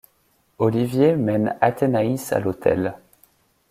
Olivier mène Athénaïs à l'autel.